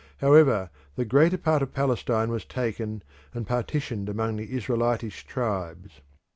However, the greater part of Palestine was taken and partitioned among the Israelitish tribes.